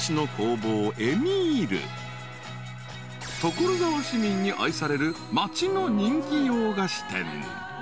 ［所沢市民に愛される町の人気洋菓子店］